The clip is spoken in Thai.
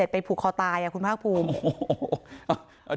ไปผูกคอตายคุณภาคภูมิ